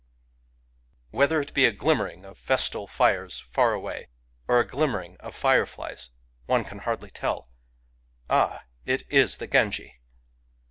" Whether it be a glimmering of festal fires ^ [far away] , or a glimmering of fireflies, [one can hardly tell] — ah, it is the Genji